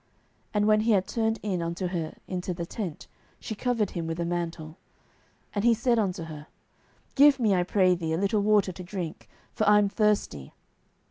And when he had turned in unto her into the tent, she covered him with a mantle. 07:004:019 And he said unto her, Give me, I pray thee, a little water to drink; for I am thirsty.